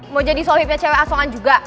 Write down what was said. mau jadi solhipnya cewek asoan juga